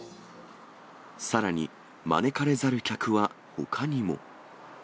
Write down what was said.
さらに、招かれざる客はほかにも。